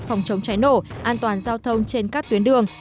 phòng chống cháy nổ an toàn giao thông trên các tuyến đường